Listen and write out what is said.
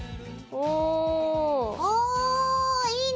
おおいいね！